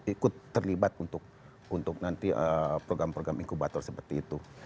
ikut terlibat untuk nanti program program inkubator seperti itu